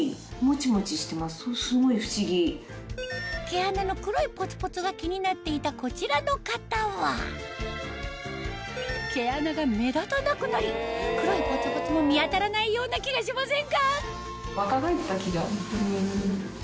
毛穴の黒いポツポツが気になっていたこちらの方は毛穴が目立たなくなり黒いポツポツも見当たらないような気がしませんか？